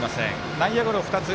内野ゴロ２つ。